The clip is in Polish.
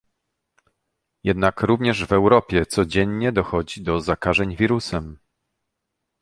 Jednak również w Europie codziennie dochodzi do zakażeń wirusem